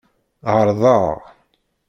Ɛeṛḍeɣ.